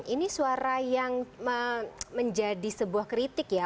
ini suara yang menjadi sebuah kritik ya